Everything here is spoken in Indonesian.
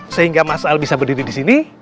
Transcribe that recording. sehingga mas al bisa berdiri disini